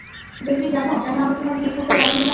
Baby, জানো কেন আমি তোমায় বিয়ে করতে রাজি হলাম?